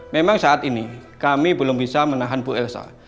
memang saat ini kami belum bisa menahan bu elsa